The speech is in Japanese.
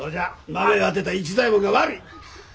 豆を当てた市左衛門が悪い。